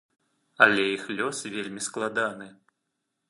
Але іх лёс вельмі складаны.